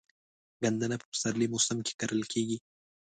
ګندنه په پسرلي موسم کې کرل کیږي.